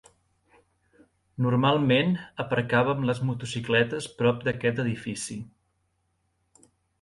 Normalment aparcàvem les motocicletes prop d'aquest edifici.